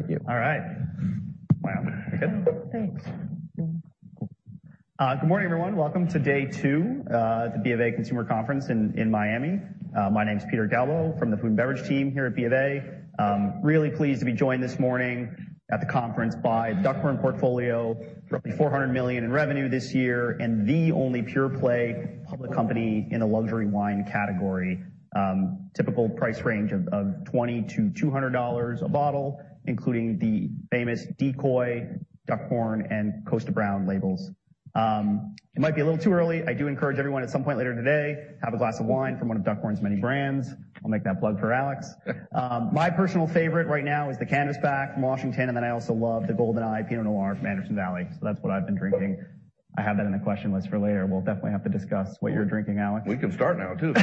Thank you. All right. Wow. You good? Thanks. Good morning, everyone. Welcome to day two at the BofA Consumer Conference in Miami. My name's Peter Galbo from the food and beverage team here at BofA. Really pleased to be joined this morning at the conference by Duckhorn Portfolio, roughly $400 million in revenue this year, and the only pure play public company in the luxury wine category. Typical price range of $20-$200 a bottle, including the famous Decoy, Duckhorn, and Kosta Browne labels. It might be a little too early. I do encourage everyone at some point later today, have a glass of wine from one of Duckhorn's many brands. I'll make that plug for Alex. My personal favorite right now is the Canvasback from Washington. I also love the Goldeneye Pinot Noir from Anderson Valley. That's what I've been drinking. I have that in the question list for later. We'll definitely have to discuss what you're drinking, Alex. We can start now, too.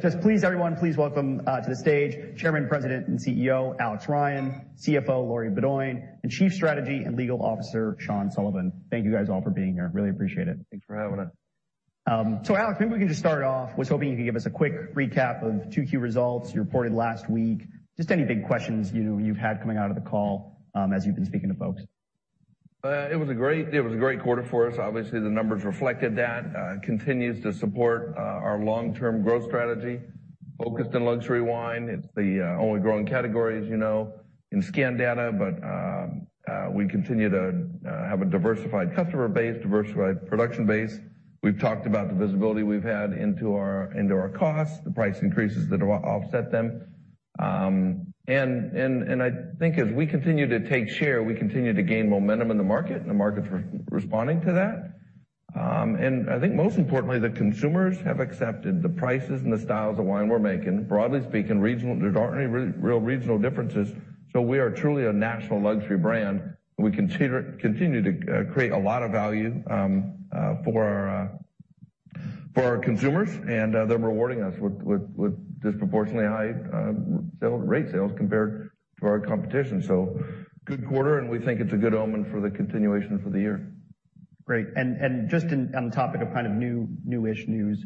Just please, everyone, please welcome to the stage Chairman, President and CEO, Alex Ryan; CFO, Lori Beaudoin; and Chief Strategy and Legal Officer, Sean Sullivan. Thank you guys all for being here. Really appreciate it. Thanks for having us. Alex, maybe we can just start off. Was hoping you could give us a quick recap of 2 key results you reported last week? Just any big questions you've had coming out of the call, as you've been speaking to folks? It was a great quarter for us. Obviously, the numbers reflected that. It continues to support our long-term growth strategy focused on luxury wine. It's the only growing category, as you know, in scan data. We continue to have a diversified customer base, diversified production base. We've talked about the visibility we've had into our costs, the price increases that offset them. I think as we continue to take share, we continue to gain momentum in the market, and the market's re-responding to that. I think most importantly, the consumers have accepted the prices and the styles of wine we're making. Broadly speaking, there aren't any regional differences, so we are truly a national luxury brand, and we continue to create a lot of value for our consumers and they're rewarding us with disproportionately high rate sales compared to our competition. Good quarter, and we think it's a good omen for the continuation for the year. Great. Just in, on the topic of kind of new, newish news,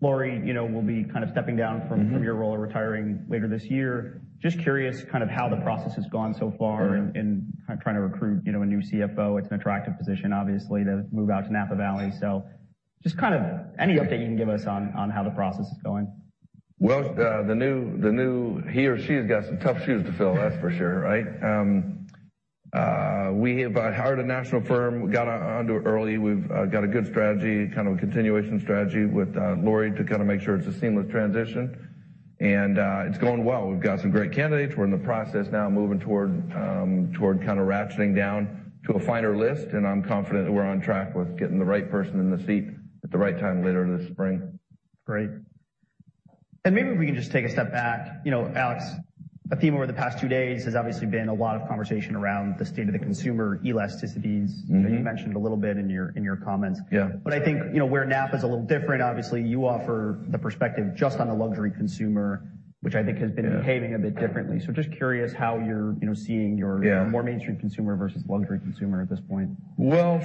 Lori, you know, will be kind of stepping down. Mm-hmm. Your role or retiring later this year. Just curious kind of how the process has gone so far? Yeah. In kind of trying to recruit, you know, a new CFO. It's an attractive position, obviously, to move out to Napa Valley. Just kind of any update you can give us on how the process is going. Well, the new, he or she has got some tough shoes to fill, that's for sure, right? We have hired a national firm. We got onto it early. We've got a good strategy, kind of a continuation strategy with Lori to kinda make sure it's a seamless transition. It's going well. We've got some great candidates. We're in the process now moving toward kinda ratcheting down to a finer list, and I'm confident that we're on track with getting the right person in the seat at the right time later this spring. Great. Maybe we can just take a step back. You know, Alex, a theme over the past two days has obviously been a lot of conversation around the state of the consumer elasticities. Mm-hmm. That you mentioned a little bit in your, in your comments. Yeah. I think, you know, where Napa is a little different, obviously, you offer the perspective just on the luxury consumer, which I think has been behaving a bit differently. Just curious how you're, you know, seeing? Yeah. More mainstream consumer versus luxury consumer at this point. Well,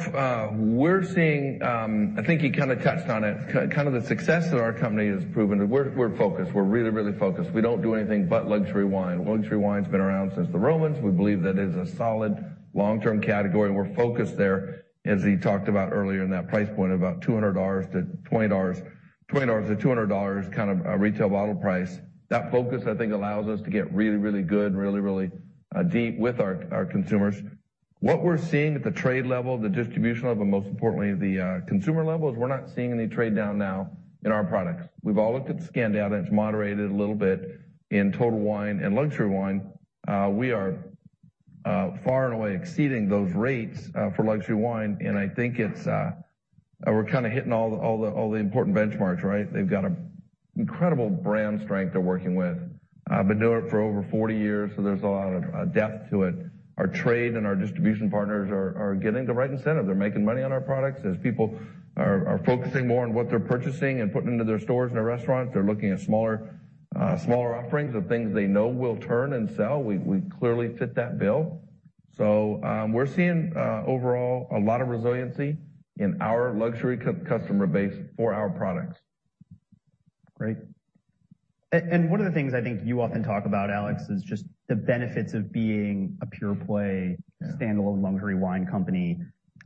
we're seeing, I think he kinda touched on it, kind of the success that our company has proven. We're focused. We're really focused. We don't do anything but luxury wine. Luxury wine's been around since the Romans. We believe that is a solid long-term category. We're focused there, as he talked about earlier in that price point, about $200-$20, $20-$200, kind of a retail bottle price. That focus, I think, allows us to get really good, really deep with our consumers. What we're seeing at the trade level, the distribution level, and most importantly, the consumer level, is we're not seeing any trade down now in our products. We've all looked at the scan data, it's moderated a little bit in total wine and luxury wine. We are far and away exceeding those rates for luxury wine, and I think it's we're kinda hitting all the important benchmarks, right? They've got an incredible brand strength they're working with. I've been doing it for over 40 years, so there's a lot of depth to it. Our trade and our distribution partners are getting the right incentive. They're making money on our products. As people are focusing more on what they're purchasing and putting into their stores and their restaurants, they're looking at smaller offerings of things they know will turn and sell. We clearly fit that bill. We're seeing overall a lot of resiliency in our luxury customer base for our products. Great. One of the things I think you often talk about, Alex, is just the benefits of being a pure play. Yeah. Standalone luxury wine company.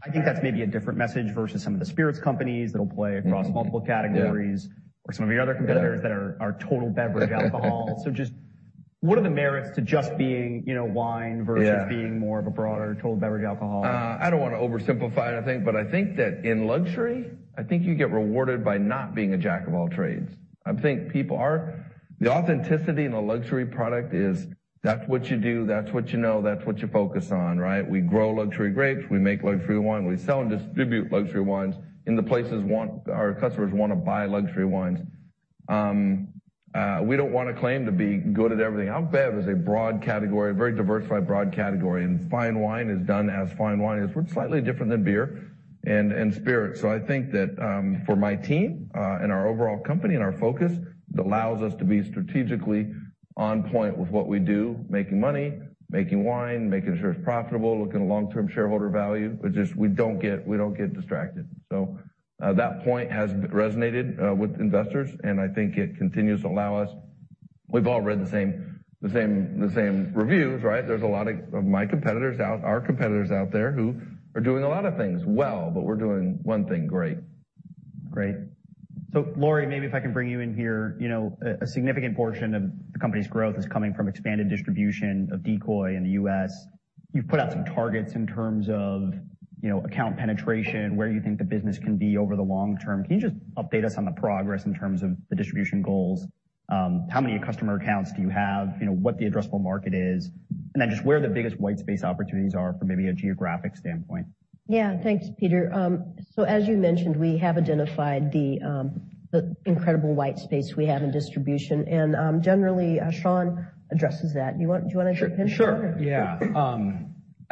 I think that's maybe a different message versus some of the spirits companies. Mm-hmm. Across multiple categories. Yeah. some of your other competitors that are total beverage alcohol. just what are the merits to just being, you know, wine versus-. Yeah. Being more of a broader total beverage alcohol? I don't wanna oversimplify anything, but I think that in luxury, I think you get rewarded by not being a jack of all trades. The authenticity in a luxury product is that's what you do, that's what you know, that's what you focus on, right? We grow luxury grapes. We make luxury wine. We sell and distribute luxury wines in the places our customers wanna buy luxury wines. We don't want to claim to be good at everything. Our bev is a broad category, a very diversified, broad category, and fine wine is done as fine wine is. We're slightly different than beer and spirits. I think that, for my team, and our overall company and our focus, it allows us to be strategically on point with what we do, making money, making wine, making sure it's profitable, looking at long-term shareholder value, but just we don't get distracted. That point has resonated with investors, and I think it continues to allow us. We've all read the same reviews, right? There's a lot of our competitors out there who are doing a lot of things well, but we're doing one thing great. Great. Lori, maybe if I can bring you in here. You know, a significant portion of the company's growth is coming from expanded distribution of Decoy in the U.S. You've put out some targets in terms of, you know, account penetration, where you think the business can be over the long term. Can you just update us on the progress in terms of the distribution goals? How many customer accounts do you have? You know, what the addressable market is? Just where the biggest white space opportunities are from maybe a geographic standpoint. Yeah. Thanks, Peter. As you mentioned, we have identified the incredible white space we have in distribution, and generally, Sean addresses that. Do you want to take a pinch of that? Sure. Sure. Yeah.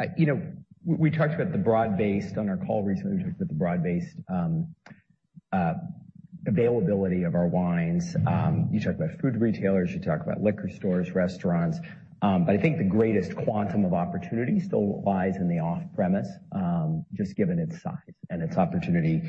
I, you know, we talked about the broad-based on our call recently, we talked about the broad-based availability of our wines. You talked about food retailers, you talked about liquor stores, restaurants. I think the greatest quantum of opportunity still lies in the off-premise, just given its size and its opportunity.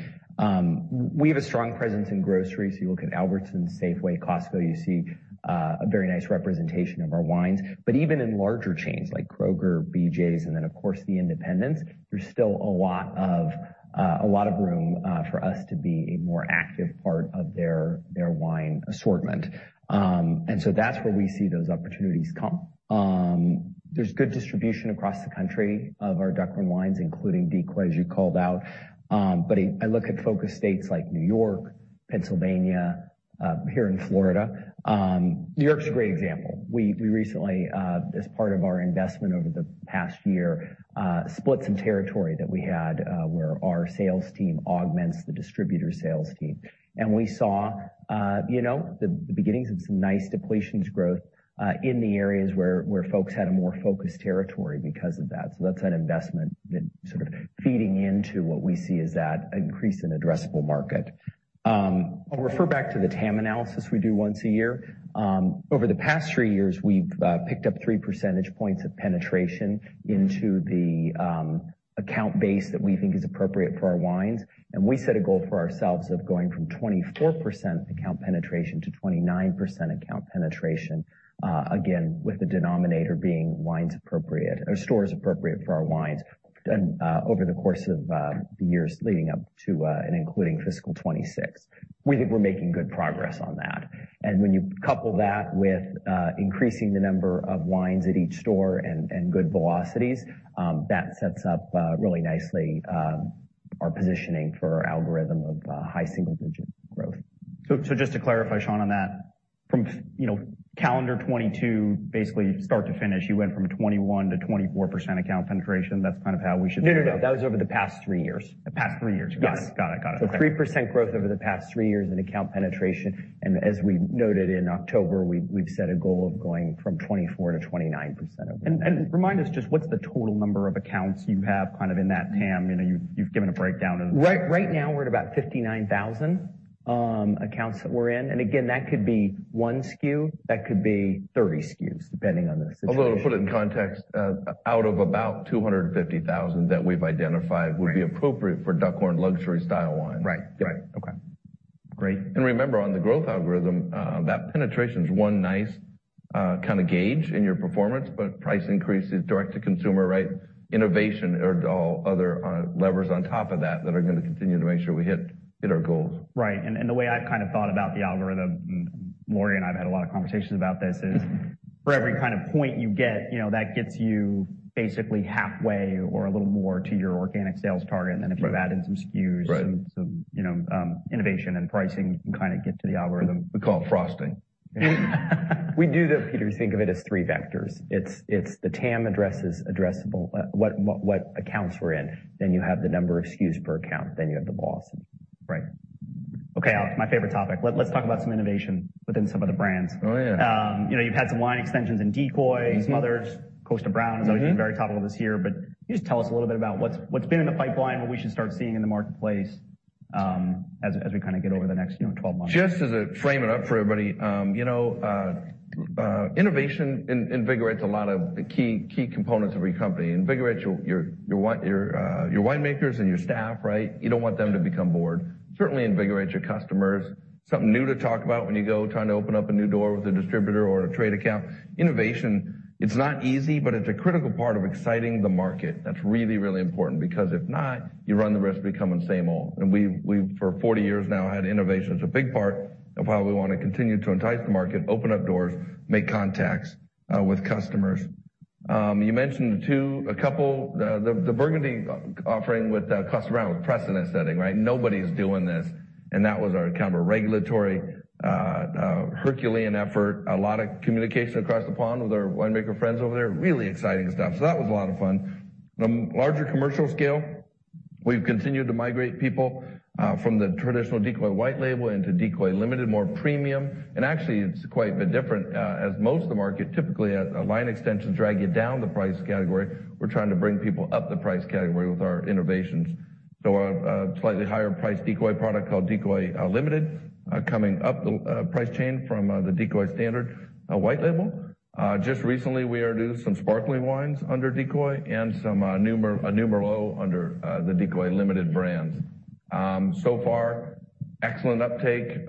We have a strong presence in grocery, you look at Albertsons, Safeway, Costco, you see a very nice representation of our wines. Even in larger chains like Kroger, BJ's, and then of course, the independents, there's still a lot of a lot of room for us to be a more active part of their wine assortment. That's where we see those opportunities come. There's good distribution across the country of our Duckhorn wines, including Decoy, as you called out. I look at focus states like New York, Pennsylvania, here in Florida. New York's a great example. We recently, as part of our investment over the past year, split some territory that we had, where our sales team augments the distributor sales team. We saw, you know, the beginnings of some nice depletions growth, in the areas where folks had a more focused territory because of that. That's an investment that sort of feeding into what we see as that increase in addressable market. I'll refer back to the TAM analysis we do once a year. Over the past three years, we've picked up 3 percentage points of penetration into the account base that we think is appropriate for our wines. We set a goal for ourselves of going from 24% account penetration to 29% account penetration, again, with the denominator being wines appropriate, or stores appropriate for our wines and over the course of the years leading up to and including fiscal 2026. We think we're making good progress on that. When you couple that with increasing the number of wines at each store and good velocities, that sets up really nicely our positioning for our algorithm of high single-digit growth. Just to clarify, Sean, on that. From, you know, calendar 22, basically start to finish, you went from 21% to 24% account penetration. That's kind of how we should think about it? No, no. That was over the past three years. The past three years. Yes. Got it. Okay. 3% growth over the past three years in account penetration. As we noted in October, we've set a goal of going from 24% to 29% over the next. Remind us just what's the total number of accounts you have kind of in that TAM? You know, you've given a breakdown of-. Right, right now, we're at about 59,000 accounts that we're in. Again, that could be 1 SKU, that could be 30 SKUs, depending on the situation. To put it in context, out of about 250,000 that we've identified. Right. would be appropriate for Duckhorn luxury style wine. Right. Right. Okay. Great. Remember, on the growth algorithm, that penetration is one nice, kind of gauge in your performance. Price increases, direct to consumer, right, innovation are all other levers on top of that are gonna continue to make sure we hit our goals. Right. The way I've kind of thought about the algorithm, and Lori and I have had a lot of conversations about this, is for every kind of point you get, you know, that gets you basically halfway or a little more to your organic sales target. Right. if you add in some SKUs. Right. some, you know, innovation and pricing, you can kinda get to the algorithm. We call it frosting. We Peter, think of it as three vectors. It's the TAM addressable, what accounts we're in. You have the number of SKUs per account, you have the velocity. Right. Okay, my favorite topic. Let's talk about some innovation within some of the brands. Oh, yeah. You know, you've had some line extensions in Decoy- Mm-hmm. some others. Kosta Browne has obviously been very top of it this year. Can you just tell us a little bit about what's been in the pipeline, what we should start seeing in the marketplace, as we kinda get over the next, you know, 12 months? Just as a frame it up for everybody, you know, innovation invigorates a lot of the key components of your company. Invigorates your winemakers and your staff, right? You don't want them to become bored. Certainly invigorates your customers. Something new to talk about when you go trying to open up a new door with a distributor or a trade account. Innovation, it's not easy, but it's a critical part of exciting the market. That's really, really important because if not, you run the risk of becoming same old. We've for 40 years now, had innovation as a big part of how we wanna continue to entice the market, open up doors, make contacts with customers. You mentioned the Burgundy offering with Kosta Browne with precedent setting, right? Nobody is doing this. That was our kind of a regulatory, Herculean effort. A lot of communication across the pond with our winemaker friends over there. Really exciting stuff. That was a lot of fun. The larger commercial scale, we've continued to migrate people from the traditional Decoy white label into Decoy Limited, more premium. Actually, it's quite a bit different, as most of the market typically has a line extension drag you down the price category. We're trying to bring people up the price category with our innovations. A slightly higher priced Decoy product called Decoy Limited, coming up the price chain from the Decoy standard white label. Just recently, we introduced some sparkling wines under Decoy and some a numero under the Decoy Limited brands. So far, excellent uptake.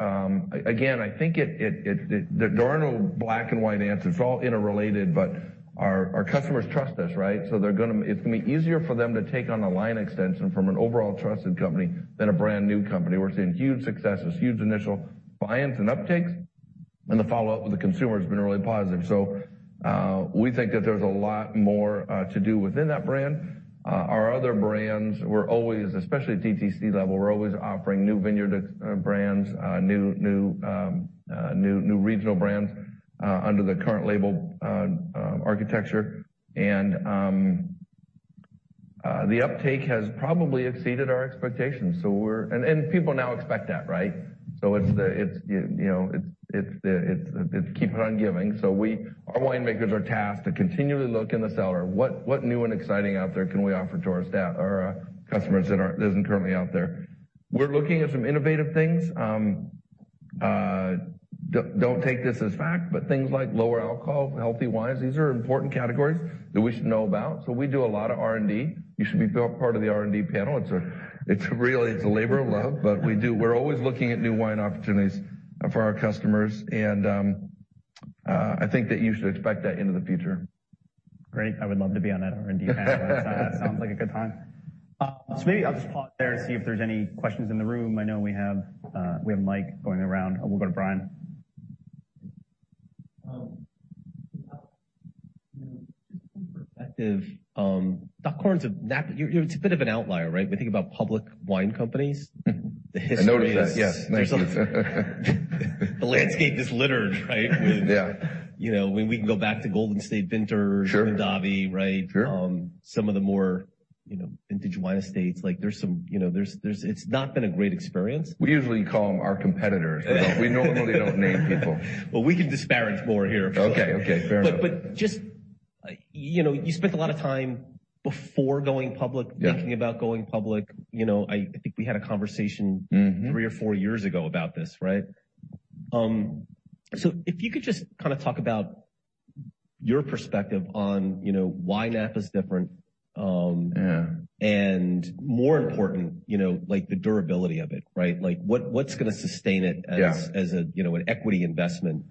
Again, I think there are no black and white answers. It's all interrelated. Our customers trust us, right? It's gonna be easier for them to take on a line extension from an overall trusted company than a brand new company. We're seeing huge successes, huge initial buy-ins and uptakes, and the follow-up with the consumer has been really positive. We think that there's a lot more to do within that brand. Our other brands, we're always, especially at DTC level, we're always offering new vineyard brands, new regional brands under the current label architecture. The uptake has probably exceeded our expectations. People now expect that, right? It's the, you know, it's the keep on giving. Our winemakers are tasked to continually look in the cellar. What new and exciting out there can we offer to our customers that aren't, that isn't currently out there? We're looking at some innovative things. Don't take this as fact, but things like lower alcohol, healthy wines, these are important categories that we should know about. We do a lot of R&D. You should be built part of the R&D panel. It's really a labor of love, but we do. We're always looking at new wine opportunities for our customers, and I think that you should expect that into the future. Great. I would love to be on that R&D panel. That sounds like a good time. Maybe I'll just pause there and see if there's any questions in the room. I know we have Mike going around. We'll go to Brian. you know, just some perspective, Duckhorn's a bit of an outlier, right? We think about public wine companies. The history is... I noticed that, yes. Thank you. The landscape is littered, right? Yeah. You know, we can go back to Golden State Vintners. Sure. Kendavi, right? Sure. Some of the more, you know, into wine estates, like there's some, you know. It's not been a great experience. We usually call them our competitors. We normally don't name people. Well, we can disparage more here. Okay. Okay. Fair enough. Just, you know, you spent a lot of time before going public. Yeah. thinking about going public. You know, I think we had a conversation- Mm-hmm. Three or four years ago about this, right? If you could just kinda talk about your perspective on, you know, why Napa is different. Yeah. More important, you know, like the durability of it, right? Like, what's gonna sustain it? Yeah. as a, you know, an equity investment,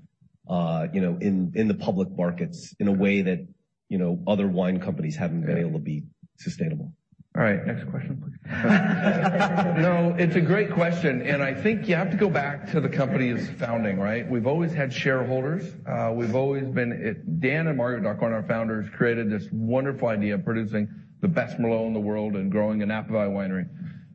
you know, in the public markets in a way that, you know, other wine companies haven't been able to be sustainable. Next question, please. It's a great question, and I think you have to go back to the company's founding, right? We've always had shareholders. Dan and Margaret Duckhorn, our founders, created this wonderful idea of producing the best Merlot in the world and growing a Napa Valley winery.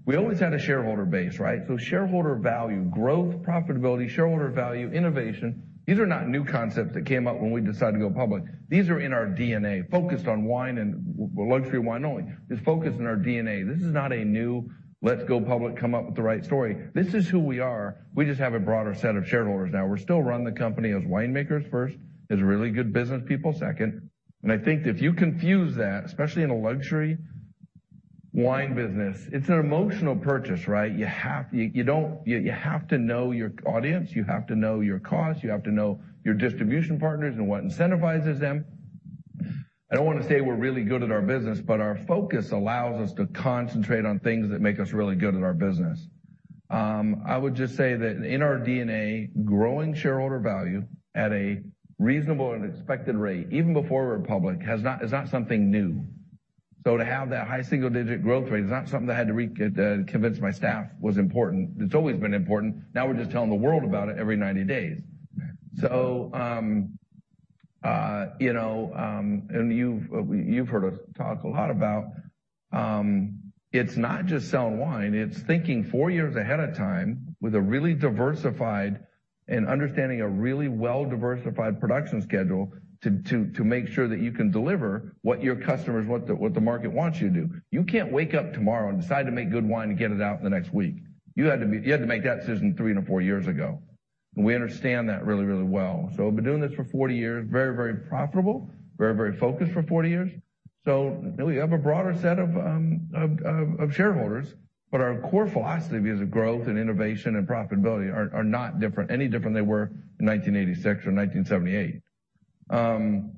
We always had a shareholder base, right? Shareholder value, growth, profitability, shareholder value, innovation, these are not new concepts that came up when we decided to go public. These are in our DNA, focused on wine and luxury wine only. It's focused in our DNA. This is not a new, let's go public, come up with the right story. This is who we are. We just have a broader set of shareholders now. We still run the company as winemakers first, as really good business people second. I think if you confuse that, especially in a luxury wine business, it's an emotional purchase, right? You have, you have to know your audience, you have to know your cost, you have to know your distribution partners and what incentivizes them. I don't wanna say we're really good at our business, but our focus allows us to concentrate on things that make us really good at our business. I would just say that in our DNA, growing shareholder value at a reasonable and expected rate, even before we're public, is not something new. To have that high single-digit growth rate is not something I had to convince my staff was important. It's always been important. Now we're just telling the world about it every 90 days. You know, you've heard us talk a lot about it's not just selling wine, it's thinking four years ahead of time with a really diversified and understanding a really well-diversified production schedule to make sure that you can deliver what your customers, what the market wants you to do. You can't wake up tomorrow and decide to make good wine and get it out in the next week. You had to make that decision three to four years ago. We understand that really, really well. I've been doing this for 40 years, very, very profitable, very, very focused for 40 years. We have a broader set of shareholders, but our core philosophies of growth and innovation and profitability are not different, any different than they were in 1986 or 1978. Well,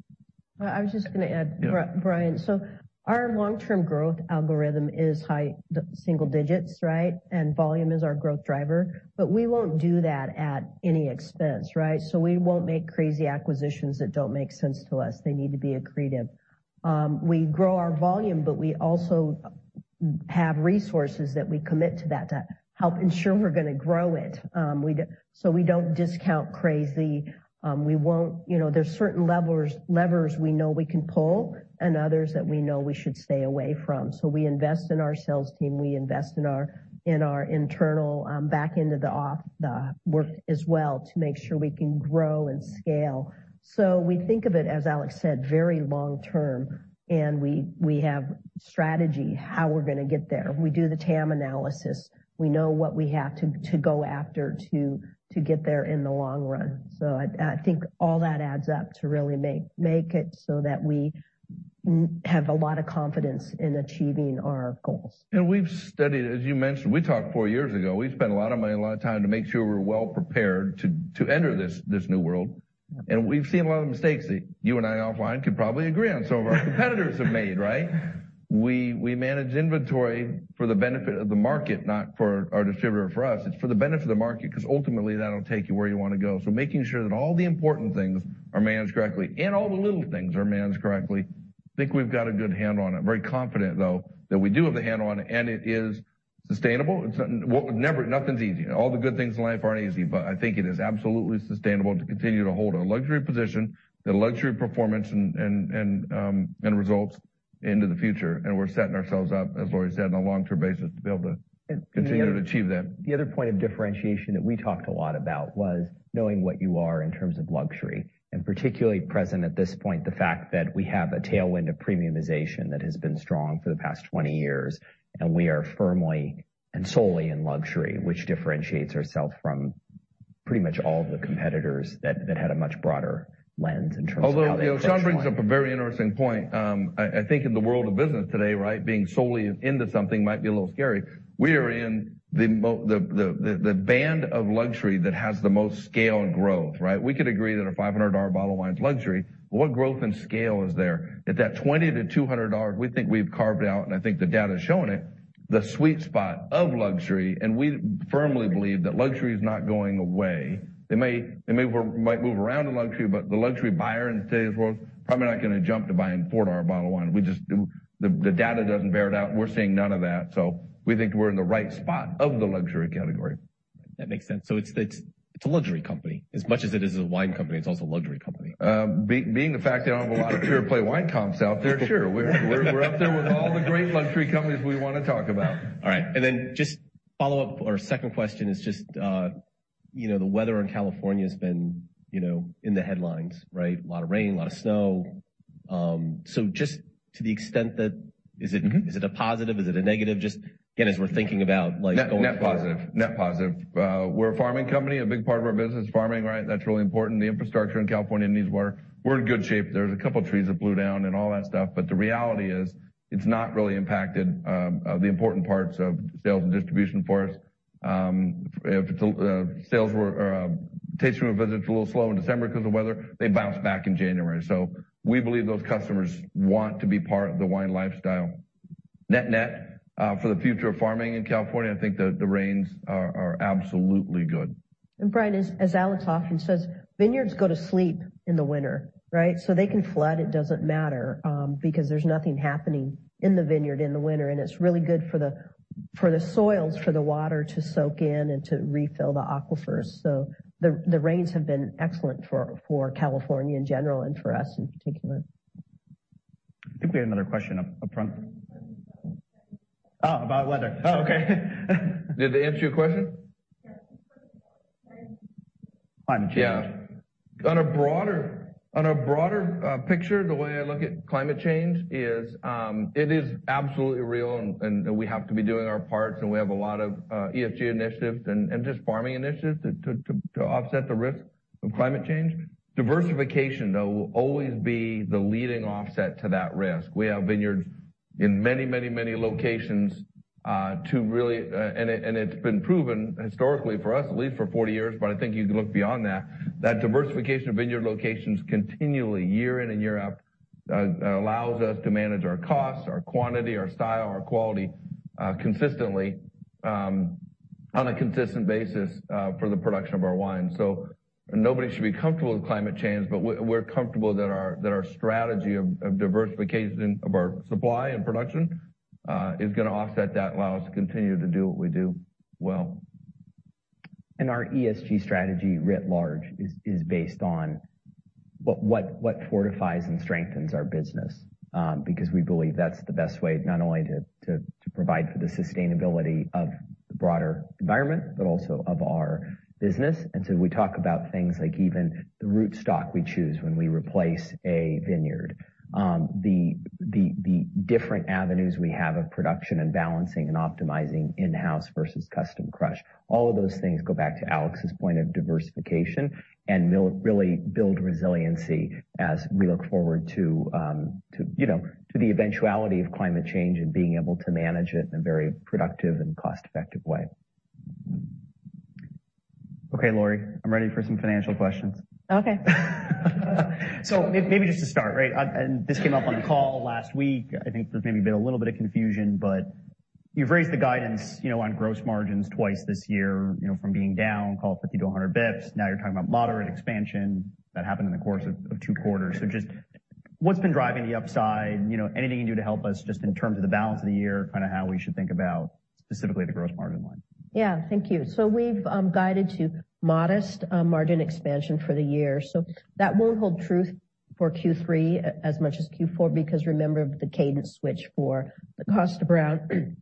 I was just gonna add, Brian. Yeah. Our long-term growth algorithm is high single digits, right? Volume is our growth driver. We won't do that at any expense, right? We won't make crazy acquisitions that don't make sense to us. They need to be accretive. We grow our volume, but we also have resources that we commit to that to help ensure we're gonna grow it. We don't discount crazy. We won't, you know, there's certain levers we know we can pull and others that we know we should stay away from. We invest in our sales team, we invest in our internal, back into the work as well to make sure we can grow and scale. We think of it, as Alex said, very long term, and we have strategy how we're gonna get there. We do the TAM analysis. We know what we have to go after to get there in the long run. I think all that adds up to really make it so that we have a lot of confidence in achieving our goals. We've studied, as you mentioned, we talked four years ago. We've spent a lot of money, a lot of time to make sure we're well prepared to enter this new world. We've seen a lot of mistakes that you and I offline could probably agree on, some of our competitors have made, right? We manage inventory for the benefit of the market, not for our distributor or for us. It's for the benefit of the market, 'cause ultimately, that'll take you where you wanna go. Making sure that all the important things are managed correctly and all the little things are managed correctly, I think we've got a good handle on it. Very confident, though, that we do have a handle on it, and it is sustainable. It's. Well, nothing's easy. All the good things in life aren't easy, but I think it is absolutely sustainable to continue to hold our luxury position, the luxury performance and results into the future. We're setting ourselves up, as Lori said, on a long-term basis to be able to continue to achieve that. The other point of differentiation that we talked a lot about was knowing what you are in terms of luxury. Particularly present at this point, the fact that we have a tailwind of premiumization that has been strong for the past 20 years. We are firmly and solely in luxury, which differentiates ourselves from pretty much all the competitors that had a much broader lens in terms of how they approach wine. You know, Sean brings up a very interesting point. I think in the world of business today, right, being solely into something might be a little scary. We are in the band of luxury that has the most scale and growth, right? We could agree that a $500 bottle of wine is luxury. What growth and scale is there? At that $20-$200, we think we've carved out, and I think the data is showing it, the sweet spot of luxury, and we firmly believe that luxury is not going away. They may might move around in luxury, the luxury buyer in today's world, probably not gonna jump to buying a $4 bottle of wine. We just The data doesn't bear it out. We're seeing none of that, so we think we're in the right spot of the luxury category. That makes sense. It's a luxury company. As much as it is a wine company, it's also a luxury company. Being the fact they don't have a lot of pure play wine comps out there, sure. We're up there with all the great luxury companies we wanna talk about. All right. Just follow up. Our second question is just, you know, the weather in California has been, you know, in the headlines, right? A lot of rain, a lot of snow. Just to the extent that. Mm-hmm. Is it a positive? Is it a negative? Just, again, as we're thinking about, like, going forward. Net positive. Net positive. We're a farming company. A big part of our business is farming, right? That's really important. The infrastructure in California needs work. We're in good shape. There's a couple trees that blew down and all that stuff, but the reality is, it's not really impacted the important parts of sales and distribution for us. Sales were tasting room visits were a little slow in December because of the weather, they bounced back in January. We believe those customers want to be part of the wine lifestyle. Net-net, for the future of farming in California, I think the rains are absolutely good. Brian, as Alex often says, vineyards go to sleep in the winter, right? They can flood, it doesn't matter, because there's nothing happening in the vineyard in the winter, and it's really good for the soils, for the water to soak in and to refill the aquifers. The rains have been excellent for California in general and for us in particular. I think we had another question up front. Oh, about weather. Oh, okay. Did I answer your question? Yeah. Climate change. Yeah. On a broader picture, the way I look at climate change is, it is absolutely real and we have to be doing our parts, and we have a lot of ESG initiatives and just farming initiatives to offset the risk of climate change. Diversification, though, will always be the leading offset to that risk. We have vineyards in many locations. It's been proven historically for us, at least for 40 years, but I think you can look beyond that diversification of vineyard locations continually, year in and year out allows us to manage our costs, our quantity, our style, our quality consistently on a consistent basis for the production of our wine. Nobody should be comfortable with climate change, but we're comfortable that our strategy of diversification of our supply and production is gonna offset that and allow us to continue to do what we do well. Our ESG strategy, writ large, is based on what fortifies and strengthens our business, because we believe that's the best way not only to provide for the sustainability of the broader environment, but also of our business. We talk about things like even the root stock we choose when we replace a vineyard. The different avenues we have of production and balancing and optimizing in-house versus custom crush. All of those things go back to Alex's point of diversification and really build resiliency as we look forward to, you know, to the eventuality of climate change and being able to manage it in a very productive and cost-effective way. Okay, Lori, I'm ready for some financial questions. Okay. Maybe just to start, right, this came up on the call last week. I think there's maybe been a little bit of confusion. You've raised the guidance, you know, on gross margins twice this year, you know, from being down call it 50 to 100 basis points. Now you're talking about moderate expansion that happened in the course of two quarters. Just what's been driving the upside? You know, anything you can do to help us just in terms of the balance of the year, kind of how we should think about specifically the gross margin line? Yeah. Thank you. We've guided to modest margin expansion for the year. That won't hold true for Q3 as much as Q4, because remember the cadence switch for the cost of ground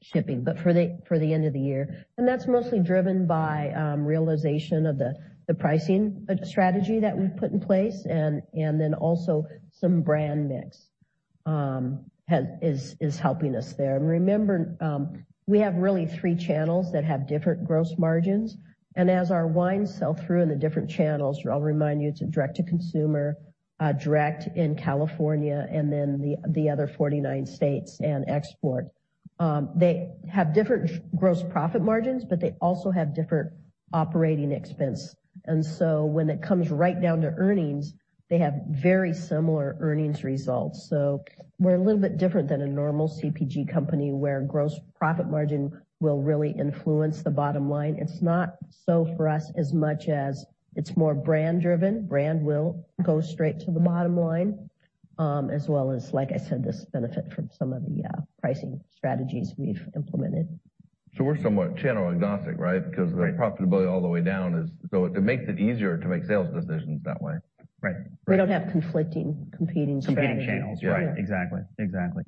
shipping, but for the end of the year. That's mostly driven by realization of the pricing strategy that we've put in place, and then also some brand mix is helping us there. Remember, we have really three channels that have different gross margins. As our wines sell through in the different channels, I'll remind you it's direct to consumer, direct in California and then the other 49 states and export. They have different gross profit margins, but they also have different operating expense. When it comes right down to earnings, they have very similar earnings results. We're a little bit different than a normal CPG company where gross profit margin will really influence the bottom line. It's not so for us as much as it's more brand driven. Brand will go straight to the bottom line, as well as, like I said, this benefit from some of the pricing strategies we've implemented. We're somewhat channel agnostic, right? Because the profitability all the way down is. It makes it easier to make sales decisions that way. Right. Right. We don't have conflicting, competing strategies. Competing channels. Right. Exactly.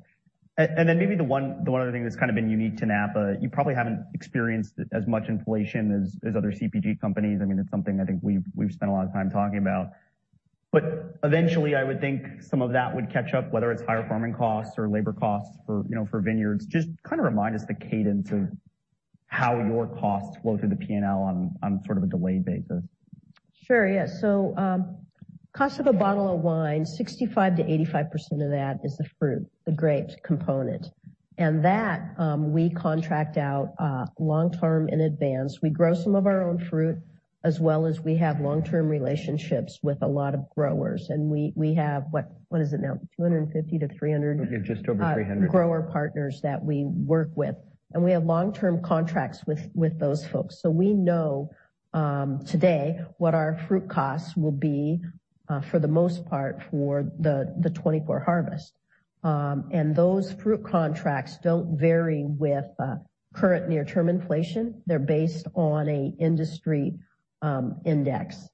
Sure. Then maybe the one other thing that's kind of been unique to Napa, you probably haven't experienced as much inflation as other CPG companies. I mean, it's something I think we've spent a lot of time talking about. Eventually, I would think some of that would catch up, whether it's higher farming costs or labor costs for, you know, for vineyards. Just kind of remind us the cadence of how your costs flow through the P&L on sort of a delayed basis. Sure, yes. Cost of a bottle of wine, 65%-85% of that is the fruit, the grapes component. That we contract out long term in advance. We grow some of our own fruit, as well as we have long-term relationships with a lot of growers. We have, what is it now? 250-300- Maybe just over $300. grower partners that we work with. We have long-term contracts with those folks. We know today what our fruit costs will be for the most part for the 2024 harvest. Those fruit contracts don't vary with current near-term inflation. They're based on a industry index.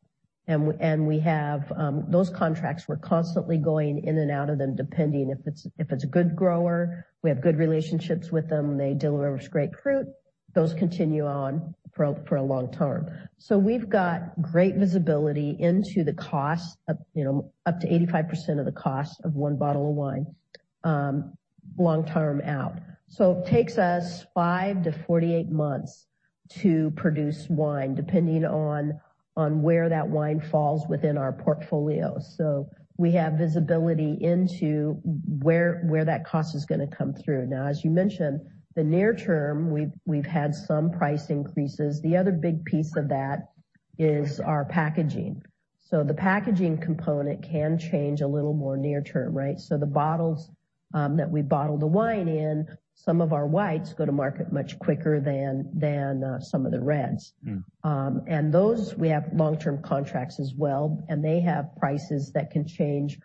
We have those contracts, we're constantly going in and out of them, depending if it's a good grower, we have good relationships with them, they deliver great fruit, those continue on for a long term. We've got great visibility into the cost of, you know, up to 85% of the cost of 1 bottle of wine, long term out. It takes us five to 48 months to produce wine, depending on where that wine falls within our portfolio. We have visibility into where that cost is gonna come through. Now, as you mentioned, the near term, we've had some price increases. The other big piece of that is our packaging. The packaging component can change a little more near term, right? The bottles that we bottle the wine in, some of our whites go to market much quicker than some of the reds. Mm. Those we have long-term contracts as well, and they have prices that can change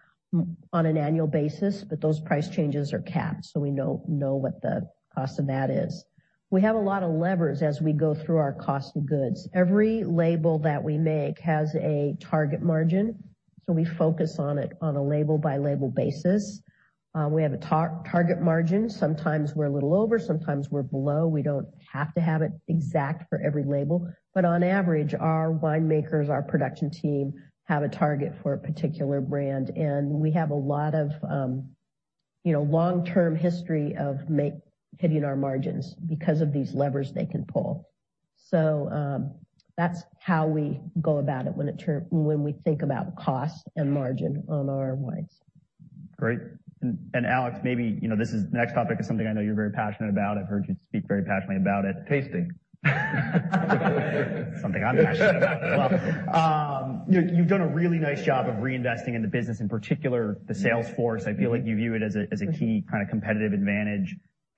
on an annual basis, but those price changes are capped, so we know what the cost of that is. We have a lot of levers as we go through our cost of goods. Every label that we make has a target margin, so we focus on it on a label-by-label basis. We have a target margin. Sometimes we're a little over, sometimes we're below. We don't have to have it exact for every label. On average, our winemakers, our production team have a target for a particular brand, and we have a lot of, you know, long-term history of hitting our margins because of these levers they can pull. That's how we go about it when we think about cost and margin on our wines. Great. Alex, maybe, you know, next topic is something I know you're very passionate about. I've heard you speak very passionately about it. Tasting. Something I'm passionate about as well. You've done a really nice job of reinvesting in the business, in particular, the sales force. I feel like you view it as a, as a key kind of competitive advantage.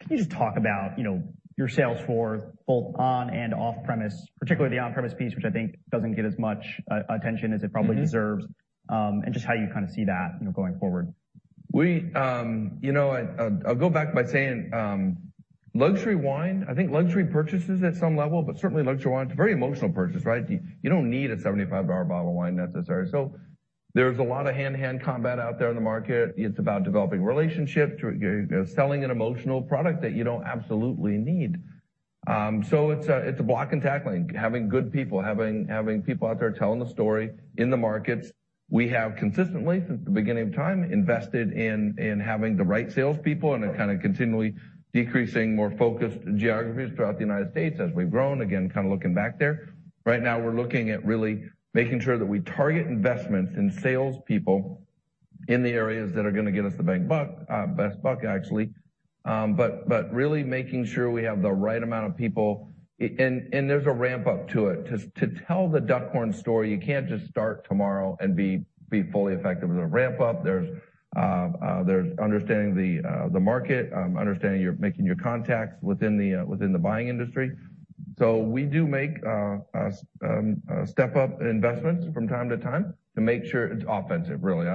Can you just talk about, you know, your sales force both on and off premise, particularly the on-premise piece, which I think doesn't get as much attention as it probably deserves, and just how you kinda see that, you know, going forward. We, you know, I'll go back by saying, luxury wine, I think luxury purchases at some level, but certainly luxury wine, it's a very emotional purchase, right? You don't need a $75 bottle of wine necessary. There's a lot of hand-to-hand combat out there in the market. It's about developing relationships. You're selling an emotional product that you don't absolutely need. It's a block and tackling, having good people, having people out there telling the story in the markets. We have consistently since the beginning of time, invested in having the right salespeople and then kinda continually decreasing more focused geographies throughout the United States as we've grown, again, kinda looking back there. Right now, we're looking at really making sure that we target investments in salespeople in the areas that are gonna get us the best buck, actually. Really making sure we have the right amount of people. There's a ramp-up to it. To tell the Duckhorn story, you can't just start tomorrow and be fully effective. There's a ramp-up. There's understanding the market, understanding making your contacts within the buying industry. We do make step-up investments from time to time to make sure it's offensive, really.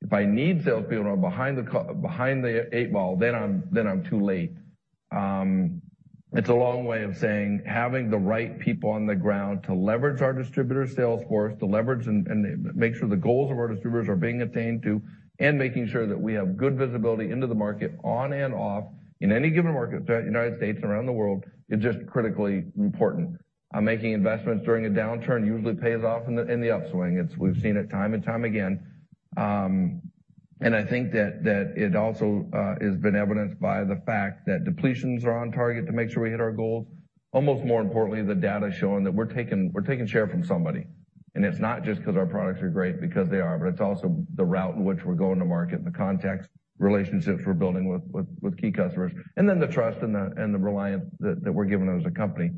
If I need salespeople and I'm behind the eight ball, then I'm too late. It's a long way of saying having the right people on the ground to leverage our distributor sales force, to leverage and make sure the goals of our distributors are being attained to, and making sure that we have good visibility into the market on and off in any given market throughout United States and around the world is just critically important. Making investments during a downturn usually pays off in the, in the upswing. We've seen it time and time again. I think that it also has been evidenced by the fact that depletions are on target to make sure we hit our goals. Almost more importantly, the data showing that we're taking share from somebody. It's not just because our products are great because they are, but it's also the route in which we're going to market, the context, relationships we're building with key customers, and then the trust and the reliance that we're given as a company.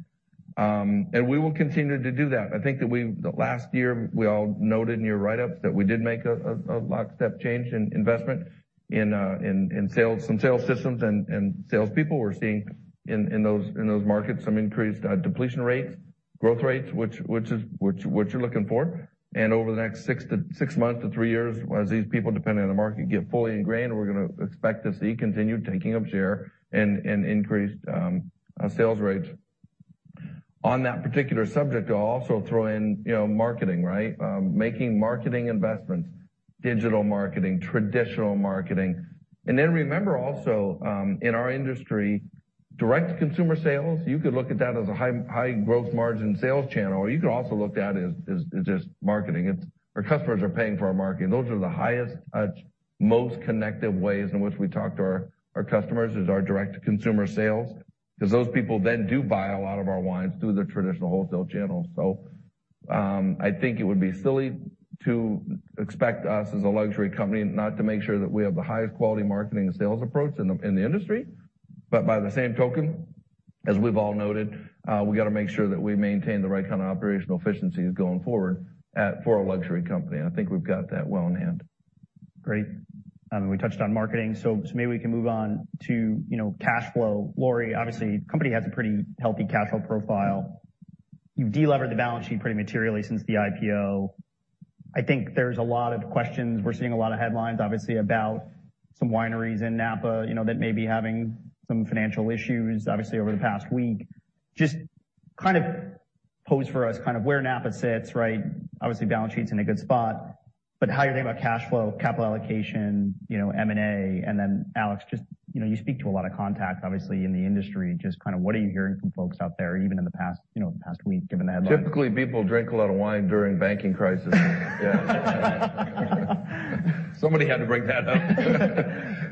We will continue to do that. I think that the last year, we all noted in your write-ups that we did make a lock-step change in investment in sales, some sales systems and salespeople. We're seeing in those markets some increased, depletion rates, growth rates, which you're looking for. Over the next six to six months to three years, as these people dependent on the market get fully ingrained, we're gonna expect to see continued taking of share and increased sales rates. On that particular subject, I'll also throw in, you know, marketing, right? Making marketing investments, digital marketing, traditional marketing. Remember also, in our industry, direct-to-consumer sales, you could look at that as a high growth margin sales channel, or you could also look at it as just marketing. It's our customers are paying for our marketing. Those are the highest, most connected ways in which we talk to our customers is our direct-to-consumer sales because those people then do buy a lot of our wines through the traditional wholesale channels. I think it would be silly to expect us as a luxury company not to make sure that we have the highest quality marketing and sales approach in the industry. By the same token, as we've all noted, we gotta make sure that we maintain the right kind of operational efficiencies going forward for a luxury company. I think we've got that well in hand. Great. We touched on marketing, so maybe we can move on to, you know, cash flow. Lori, obviously, company has a pretty healthy cash flow profile. You've de-levered the balance sheet pretty materially since the IPO. I think there's a lot of questions. We're seeing a lot of headlines, obviously, about some wineries in Napa, you know, that may be having some financial issues, obviously, over the past week. Just kind of pose for us kind of where Napa sits, right? Obviously, balance sheet's in a good spot, how you think about cash flow, capital allocation, you know, M&A. Alex, just, you know, you speak to a lot of contacts, obviously, in the industry. Just kind of what are you hearing from folks out there, even in the past, you know, past week, given the headlines? Typically, people drink a lot of wine during banking crises. Somebody had to bring that up. Yeah,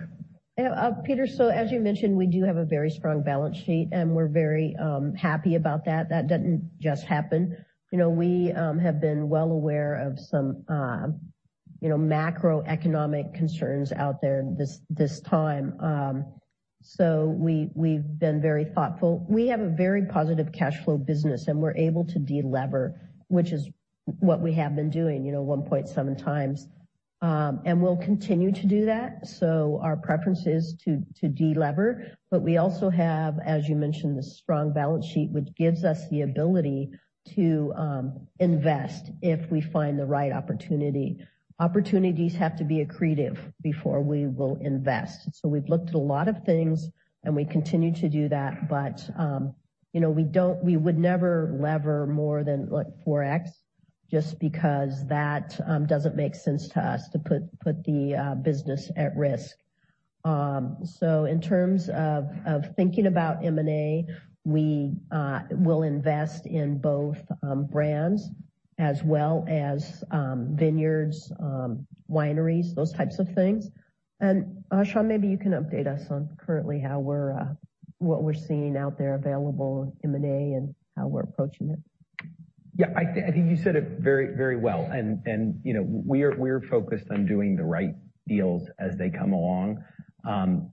Peter, as you mentioned, we do have a very strong balance sheet, and we're very happy about that. That didn't just happen. You know, we have been well aware of some, you know, macroeconomic concerns out there this time. We've been very thoughtful. We have a very positive cash flow business, and we're able to de-lever, which is what we have been doing, you know, 1.7x. We'll continue to do that. Our preference is to de-lever, we also have, as you mentioned, the strong balance sheet, which gives us the ability to invest if we find the right opportunity. Opportunities have to be accretive before we will invest. We've looked at a lot of things and we continue to do that, but, you know, we would never lever more than, like, 4x just because that doesn't make sense to us to put the business at risk. In terms of thinking about M&A, we will invest in both brands as well as vineyards, wineries, those types of things. Sean, maybe you can update us on currently how we're what we're seeing out there available in M&A and how we're approaching it. Yeah, I think you said it very, very well. You know, we're focused on doing the right deals as they come along.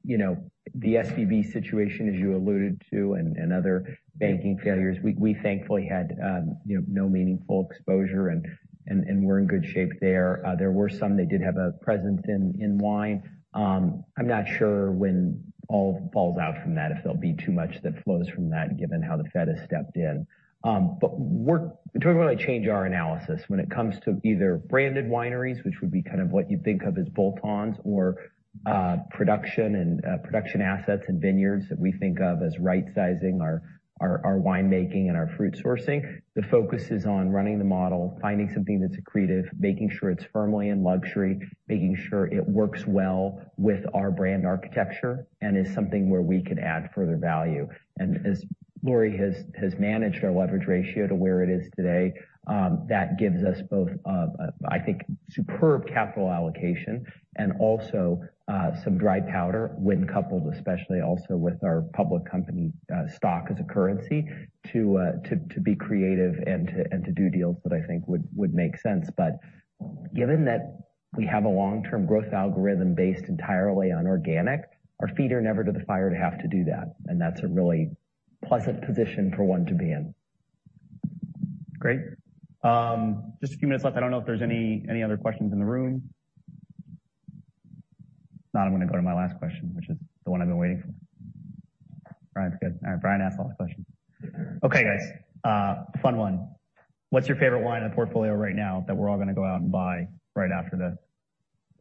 You know, the SVB situation, as you alluded to, and other banking failures, we thankfully had, you know, no meaningful exposure and we're in good shape there. There were some that did have a presence in wine. I'm not sure when all falls out from that, if there'll be too much that flows from that given how The Fed has stepped in. We don't really change our analysis when it comes to either branded wineries, which would be kind of what you'd think of as bolt-ons or production and production assets and vineyards that we think of as right-sizing our wine making and our fruit sourcing. The focus is on running the model, finding something that's accretive, making sure it's firmly in luxury, making sure it works well with our brand architecture and is something where we could add further value. As Lori has managed our leverage ratio to where it is today, that gives us both, I think, superb capital allocation and also some dry powder when coupled, especially also with our public company stock as a currency to be creative and to do deals that I think would make sense. Given that we have a long-term growth algorithm based entirely on organic, our feet are never to the fire to have to do that, and that's a really pleasant position for one to be in. Great. Just a few minutes left. I don't know if there's any other questions in the room. If not, I'm gonna go to my last question, which is the one I've been waiting for. Brian's good. All right, Brian asked all the questions. Okay, guys, fun one. What's your favorite wine in the portfolio right now that we're all gonna go out and buy right after this?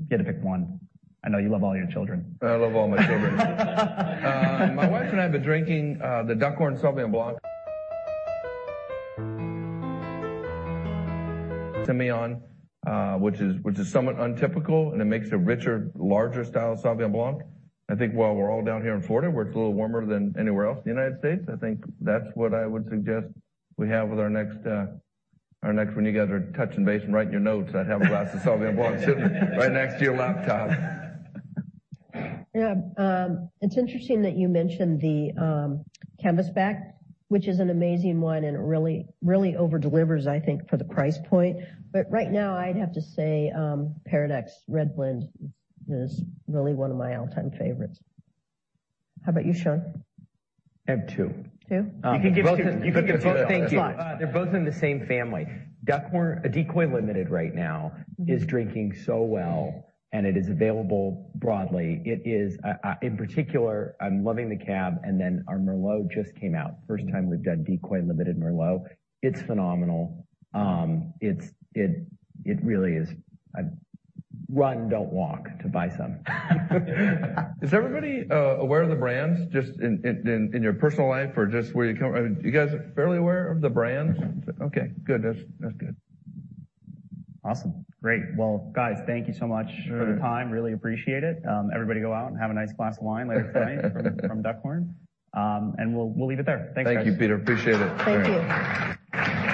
You had to pick one. I know you love all your children. I love all my children. My wife and I have been drinking the Duckhorn Sauvignon Blanc. Sémillon, which is somewhat untypical, and it makes a richer, larger style of Sauvignon Blanc. I think while we're all down here in Florida, where it's a little warmer than anywhere else in the United States, I think that's what I would suggest we have with our next one. You guys are touching base and writing your notes. I'd have a glass of Sauvignon Blanc sitting right next to your laptop. Yeah. It's interesting that you mentioned the Canvasback, which is an amazing wine and it really over-delivers, I think, for the price point. Right now I'd have to say, Paraduxx Red Blend is really one of my all-time favorites. How about you, Sean? I have two. Two? You can give two. You can give two. Thank you. They're both in the same family. Duckhorn, Decoy Limited right now is drinking so well, and it is available broadly. It is, in particular, I'm loving the Cab, and then our Merlot just came out. First time we've done Decoy Limited Merlot. It's phenomenal. It really is. Run, don't walk to buy some. Is everybody aware of the brands just in your personal life or just? Are you guys fairly aware of the brands? Okay, good. That's good. Awesome. Great. Well, guys, thank you so much for the time. Really appreciate it. Everybody go out and have a nice glass of wine later tonight from Duckhorn. We'll leave it there. Thanks, guys. Thank you, Peter. Appreciate it. Thank you.